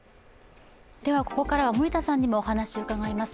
ここからは森田さんからもお話を伺います。